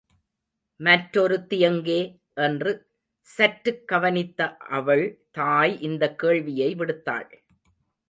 மற்றொருத்தி எங்கே? என்று சற்றுக் கவனித்த அவள் தாய் இந்தக் கேள்வியை விடுத்தாள்.